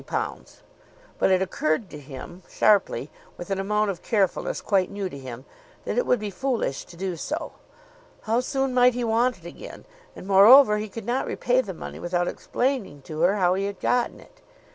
But it occurred to him sharply, with an amount of carefulness quite new to him, that it would be foolish to do so. How soon might he want it again? And, moreover, he could not repay the money without explaining to her how he had gotten it.